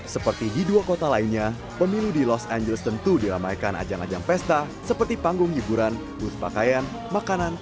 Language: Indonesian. seperti di dua kota lainnya pemilu di los angeles tentu diramaikan ajang ajang pesta seperti panggung hiburan bus pakaian makanan